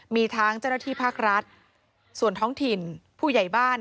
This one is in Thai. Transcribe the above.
มีทั้งเจ้าหน้าที่ภาครัฐส่วนท้องถิ่นผู้ใหญ่บ้าน